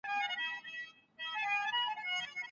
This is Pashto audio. ځواني د عبادت لپاره تر ټولو ښه وخت دی.